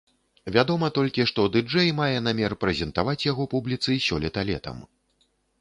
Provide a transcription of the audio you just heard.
Вядома толькі, што ды-джэй мае намер прэзентаваць яго публіцы сёлета летам.